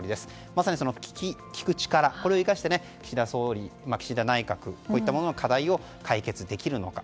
まさに聞く力を生かして岸田総理、岸田内閣こういったものの課題を解決できるのか。